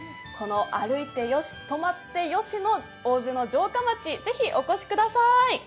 歩いてよし泊まってよしの大洲の城下町ぜひ、起こしください！